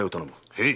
へい。